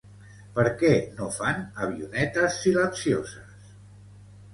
Per qué no fan avionetes silencioses?